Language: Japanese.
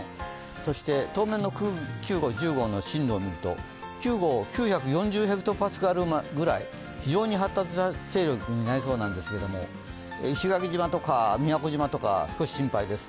そして、当面の９号、１０号の進路を見ると９号、９４０ｈＰａぐらい、非常に発達した勢力になりそうですが石垣島とか宮古島とか少し心配です。